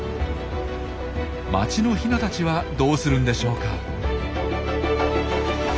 街のヒナたちはどうするんでしょうか？